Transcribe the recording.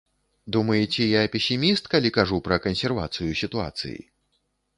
Думаеце, я песіміст, калі кажу пра кансервацыю сітуацыі?